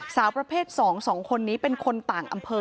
สาวประเภท๒๒คนนี้เป็นคนต่างอำเภอ